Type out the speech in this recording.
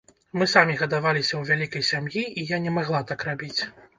Мы самі гадаваліся ў вялікай сям'і, і я не магла так рабіць.